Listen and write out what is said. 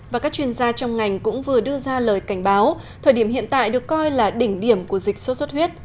và các chuyên gia trong ngành cũng vừa đưa ra lời cảnh báo thời điểm hiện tại được coi là đỉnh điểm của dịch sốt xuất huyết